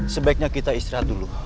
sebaiknya kita istirahat dulu